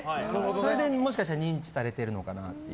それでもしかしたら認知されてるのかなっていう。